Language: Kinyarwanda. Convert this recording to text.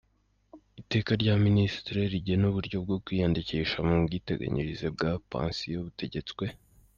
Iteka rya Minisitiri rigena uburyo bwo kwiyandikisha mu bwiteganyirize bwa pansiyo butegetswe;.